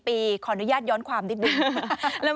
พระเจ้าจะมาชุมนุมแจ้งการข่าวไว้ดีกันไหม